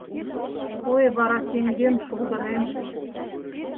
Ой, варасеҥгем-шулдырем